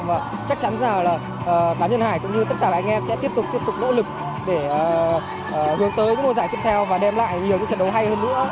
và chắc chắn ra là cá nhân hải cũng như tất cả các anh em sẽ tiếp tục nỗ lực để hướng tới những mô giải tiếp theo và đem lại nhiều trận đấu hay hơn nữa